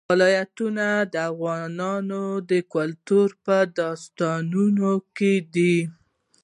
ولایتونه د افغان کلتور په داستانونو کې دي.